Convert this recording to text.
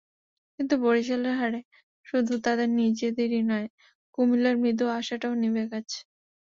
কিন্তু বরিশালের হারে শুধু তাদের নিজেদেরই নয়, কুমিল্লার মৃদু আশাটাও নিভে গেছে।